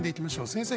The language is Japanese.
先生